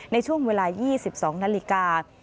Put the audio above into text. ในช่วงเวลา๒๒นาฬิกา